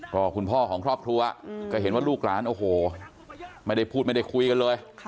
ก็คุณพ่อของครอบครัวก็เห็นว่าลูกหลานโอ้โหไม่ได้พูดไม่ได้คุยกันเลย